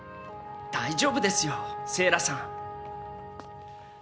大丈夫ですよ、セイラさん。